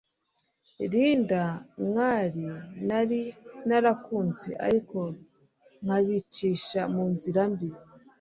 Linda mwari nari narakunze ariko nkabicisha mu nzira mbi